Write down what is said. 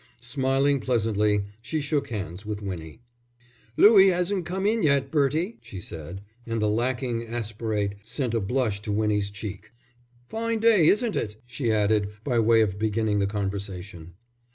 Smiling pleasantly, she shook hands with Winnie. "Louie 'asn't come in yet, Bertie," she said, and the lacking aspirate sent a blush to Winnie's cheek. "Fine day, isn't it?" she added, by way of beginning the conversation.